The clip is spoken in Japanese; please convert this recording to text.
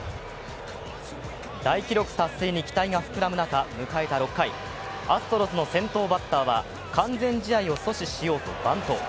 大記録達成に期待が膨らむ中迎えた６回アストロズの先頭バッターは完全試合を阻止しようとバント。